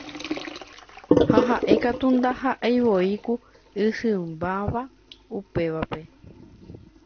Ha ha'e katu ndaha'eivoi ku isỹimbáva upévape.